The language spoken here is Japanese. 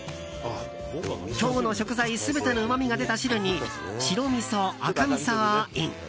今日の食材全てのうまみが出た汁に白みそ、赤みそをイン。